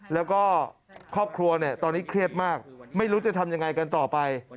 แล้วก็ครอบครัวเนี่ยตอนนี้เครียดมากไม่รู้จะทำยังไงกันต่อไป